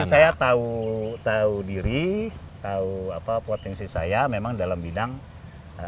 saya tahu diri tahu potensi saya memang dalam bidang